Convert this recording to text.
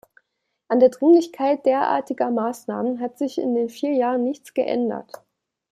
An der Dringlichkeit derartiger Maßnahmen hat sich in den vier Jahren nichts geändert.